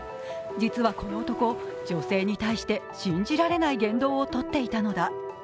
実はこの男、女性に対して信じられない言動をとっていたのだ。